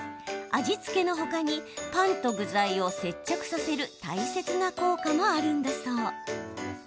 味付けの他にパンと具材を接着させる大切な効果もあるんだそう。